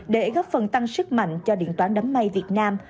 để góp phần tăng sức mạnh cho điện toán đám mây việt nam